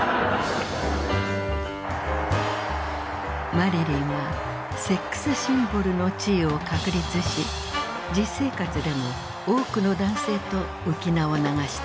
マリリンは「セックス・シンボル」の地位を確立し実生活でも多くの男性と浮き名を流していった。